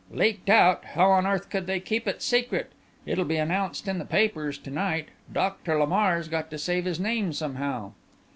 "Leaked out? How on earth could they keep it secret. It'll be announced in the papers to night. Doctor Lamar's got to save his name somehow."